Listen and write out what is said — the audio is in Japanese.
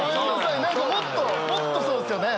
もっとそうですよね。